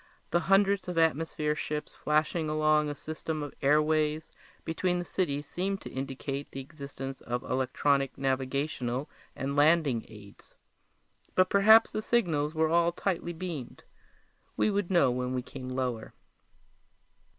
The hundreds of atmosphere ships flashing along a system of airways between the cities seemed to indicate the existence of electronic navigational and landing aids. But perhaps the signals were all tightly beamed; we would know when we came lower.